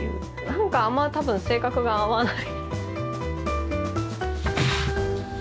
何かあんま多分性格が合わない。